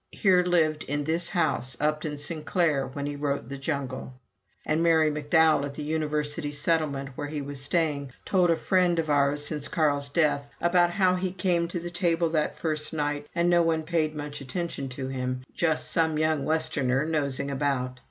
Here lived, in this house, Upton Sinclair when he wrote 'The Jungle.'" And Mary McDowell, at the University Settlement where he was staying, told a friend of ours since Carl's death about how he came to the table that first night and no one paid much attention to him just some young Westerner nosing about.